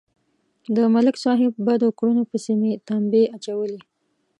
د ملک صاحب بدو کړنو پسې مې تمبې اچولې.